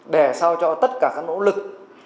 để sao cho tất cả các nỗ lực